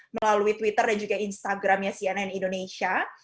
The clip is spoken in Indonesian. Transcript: melalui twitter dan juga instagramnya cnn indonesia